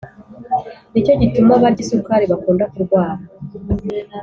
Nicyo gituma abarya isukari bakunda kurwara